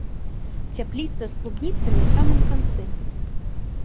Цяпліца з клубніцамі ў самым канцы.